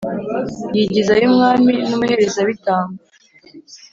yigizayo umwami n’umuherezabitambo.